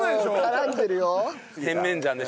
絡んでるよ。